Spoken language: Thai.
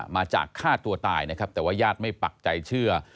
มาจากฆ่าตัวตายนะครับแต่ว่าญาติไม่ปักใจเชื่อ